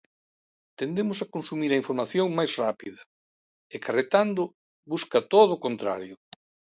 Tendemos a consumir a información máis rápida, e "Carretando" busca todo o contrario.